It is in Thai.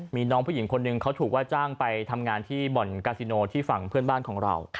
มีน้องผู้หญิงคนหนึ่งเขาถูกว่าจ้างไปทำงานที่บ่อนกาซิโนที่ฝั่งเพื่อนบ้านของเรา